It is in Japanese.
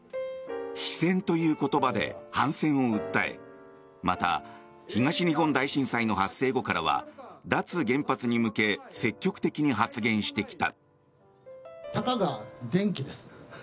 非戦という言葉で反戦を訴えまた、東日本大震災の発生後からは脱原発に向け積極的に発言してきた。